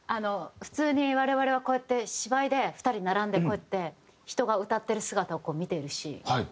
普通に我々はこうやって芝居で２人で並んで人が歌ってる姿を見ているシーン。